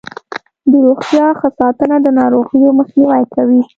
د روغتیا ښه ساتنه د ناروغیو مخنیوی کوي.